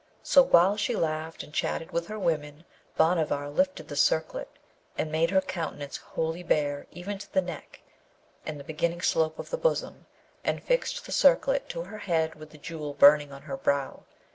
So, while she laughed and chatted with her women Bhanavar lifted the circlet, and made her countenance wholly bare even to the neck and the beginning slope of the bosom, and fixed the circlet to her head with the Jewel burning on her brow.